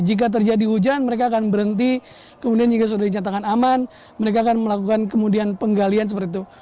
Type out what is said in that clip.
jika terjadi hujan mereka akan berhenti kemudian jika sudah dinyatakan aman mereka akan melakukan kemudian penggalian seperti itu